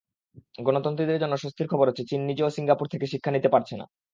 গণতন্ত্রীদের জন্য স্বস্তির খবর হচ্ছে চীন নিজেও সিঙ্গাপুর থেকে শিক্ষা নিতে পারছে না।